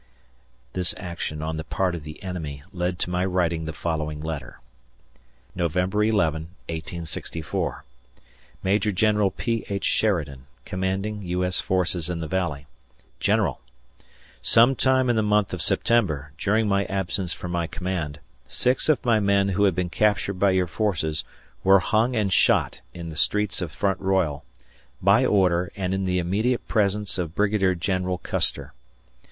This action on the part of the enemy led to my writing the following letter: November 11, 1864. Major General P. H. Sheridan, Commanding U. S. Forces in the Valley. General: Some time in the month of September, during my absence from my command, six of my men who had been captured by your forces, were hung and shot in the streets of Front Royal, by order and in the immediate presence of Brigadier General Custer.